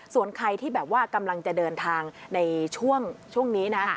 ส่วนใครที่แบบว่ากำลังจะเดินทางในช่วงนี้นะ